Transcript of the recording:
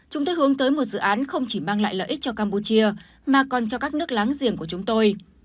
chúng tôi hướng tới một dự án không chỉ mang lại lợi ích cho campuchia mà còn cho các nước láng giềng của chúng tôi